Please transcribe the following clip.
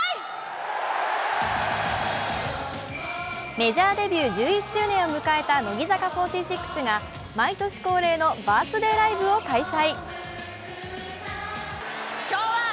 メジャーデビュー１１周年を迎えた乃木坂４６が毎年恒例のバースデーライブを開催。